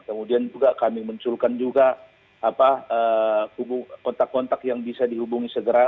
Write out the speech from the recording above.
kemudian juga kami munculkan juga kontak kontak yang bisa dihubungi segera